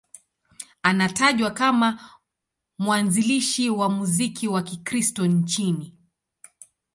Anatajwa kama mwanzilishi wa muziki wa Kikristo nchini.